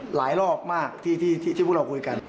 หลายรอบมากที่พวกเราคุยกัน